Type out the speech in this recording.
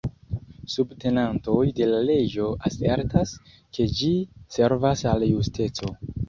Subtenantoj de la leĝo asertas, ke ĝi servas al justeco.